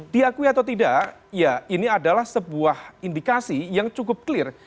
diakui atau tidak ya ini adalah sebuah indikasi yang cukup clear